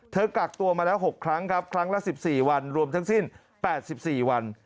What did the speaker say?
กักตัวมาแล้ว๖ครั้งครับครั้งละ๑๔วันรวมทั้งสิ้น๘๔วัน